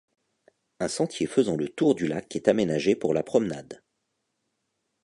Un sentier faisant le tour du lac est aménagé pour la promenade.